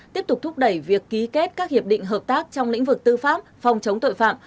tiếp tục thúc đẩy việc ký kết các hiệp định hợp tác trong lĩnh vực tư pháp phòng chống tội phạm